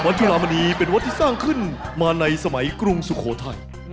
จุลามณีเป็นวัดที่สร้างขึ้นมาในสมัยกรุงสุโขทัย